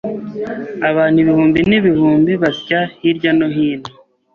Abantu ibihumbi n'ibihumbi basya hirya no hino.